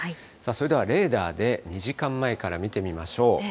それではレーダーで、２時間前から見てみましょう。